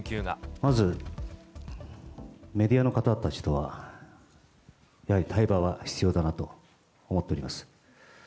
まず、メディアの方たちとは、やはり対話は必要だなと思っております。